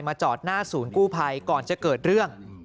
จอดหน้าศูนย์กู้ภัยก่อนจะเกิดเรื่อง